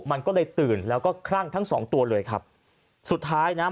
มันก็เลยตื่นแล้วก็คลั่งทั้งสองตัวเลยครับสุดท้ายนะ